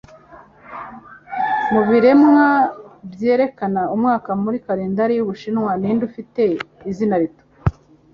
Mubiremwa byerekana umwaka muri Kalendari y'Ubushinwa, Ninde ufite Izina Rito?